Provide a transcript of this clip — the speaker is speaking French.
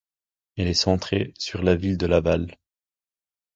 Elle est centrée sur la ville de Laval.